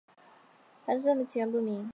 寒食散的起源不明。